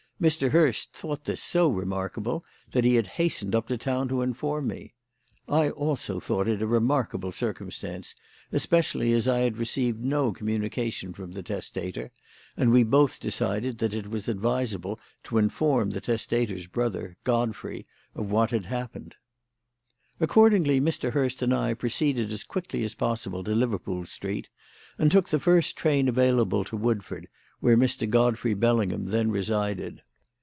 Mr. Hurst thought this so remarkable that he had hastened up to town to inform me. I also thought it a remarkable circumstance, especially as I had received no communication from the testator, and we both decided that it was advisable to inform the testator's brother, Godfrey, of what had happened. "Accordingly Mr. Hurst and I proceeded as quickly as possible to Liverpool Street and took the first train available to Woodford, where Mr. Godfrey Bellingham then resided.